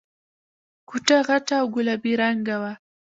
کوټه غټه او گلابي رنګه وه.